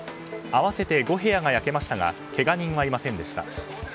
合わせて５部屋が焼けましたがけが人はいませんでした。